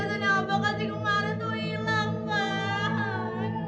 perhiasan yang abah kasih kemarin itu hilang pak